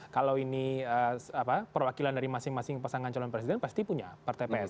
kalau ini perwakilan dari masing masing pasangan calon presiden pasti punya per tps